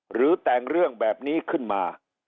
หรือแต่งเรื่องแบบนี้ขึ้นมา